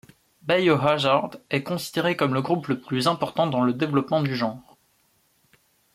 Biohazard est considéré comme le groupe le plus important dans le développement du genre.